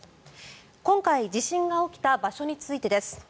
今回地震が起きた場所についてです。